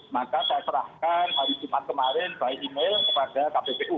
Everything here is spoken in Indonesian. maka saya serahkan hari jumat kemarin by email kepada kppu